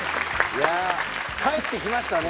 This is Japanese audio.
いや帰ってきましたね